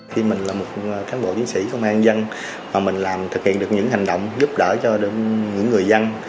khi mình là một cán bộ chiến sĩ công an dân mà mình làm thực hiện được những hành động giúp đỡ cho những người dân